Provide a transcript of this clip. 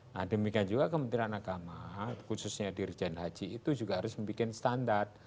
nah demikian juga kementerian agama khususnya dirjen haji itu juga harus membuat standar